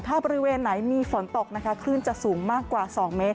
ถ้าบริเวณไหนมีฝนตกนะคะคลื่นจะสูงมากกว่า๒เมตร